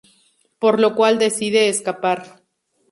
Por lo cual decide escapar.